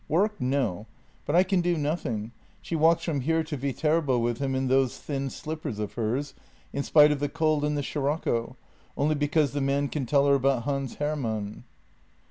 "Work, no! But I can do nothing. She walks from here to Viterbo with him in those thin slippers of hers, in spite of the cold and the sirocco — only because the man can tell her about Hans Hermann."